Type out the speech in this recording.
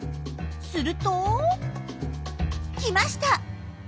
すると来ました！